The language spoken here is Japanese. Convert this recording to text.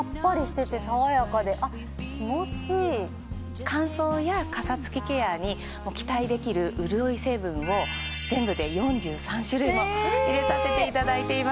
すごくあっ気持ちいい乾燥やカサつきケアに期待できる潤い成分を全部で４３種類も入れさせていただいています